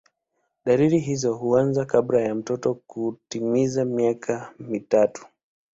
Dalili hizo huanza kabla ya mtoto kutimiza miaka mitatu.